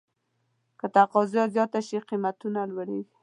که تقاضا زیاته شي، قیمتونه لوړېږي.